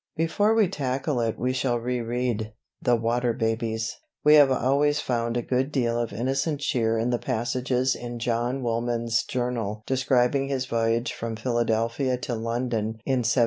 Before we tackle it we shall re read "The Water Babies." We have always found a good deal of innocent cheer in the passages in John Woolman's Journal describing his voyage from Philadelphia to London in 1772.